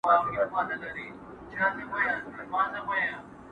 خو په شا یې وړل درانه درانه بارونه،